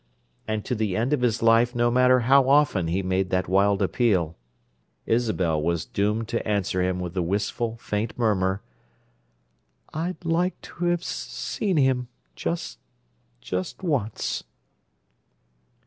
and to the end of his life no matter how often he made that wild appeal, Isabel was doomed to answer him with the wistful, faint murmur: "I'd like to have—seen him. Just—just once."